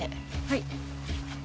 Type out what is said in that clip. はい。